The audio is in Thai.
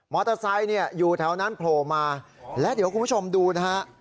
มอเตอร์ไซค์อยู่แถวนั้นโผล่มาและเดี๋ยวคุณผู้ชมดูนะฮะ